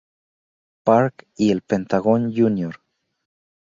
Park y el Pentagón Jr.